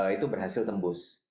itu berhasil tembus